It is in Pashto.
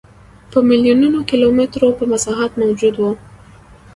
په میلیونونو کیلومترو په مساحت موجود و.